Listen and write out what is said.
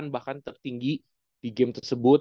bahkan tertinggi di game tersebut